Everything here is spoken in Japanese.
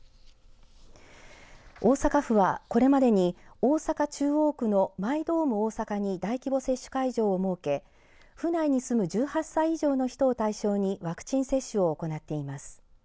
大阪府は、これまでに大阪、中央区のマイドームおおさかに大規模接種会場を設け府内に住む１８歳以上の人を対象にワクチン接種を行っています。